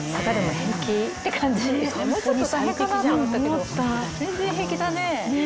もうちょっと大変かなと思ったけど全然平気だね。